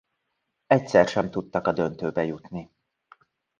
Egyszer sem tudtak a döntőbe jutni.